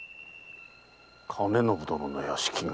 兼延殿の屋敷が。